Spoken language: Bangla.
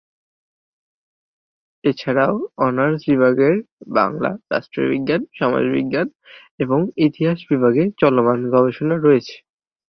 এছাড়াও অনার্স বিভাগের বাংলা, রাষ্ট্রবিজ্ঞান, সমাজবিজ্ঞান এবং ইতিহাস বিভাগে চলমান গবেষণা রয়েছে।